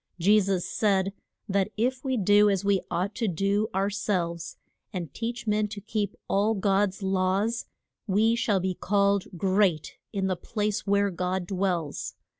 Je sus said that if we do as we ought to do our selves, and teach men to keep all God's laws, we shall be called great in the place where God dwells.